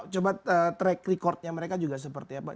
coba track recordnya mereka juga seperti apa